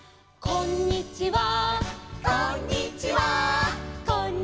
「こんにちは」